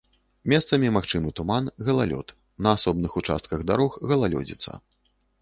Месцамі магчымы туман, галалёд, на асобных участках дарог галалёдзіца.